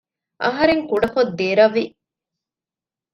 އަހަރެން ކުޑަކޮށް ދެރަވި